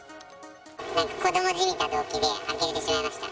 子どもじみた動機で、あきれてしまいました。